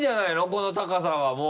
この高さはもう。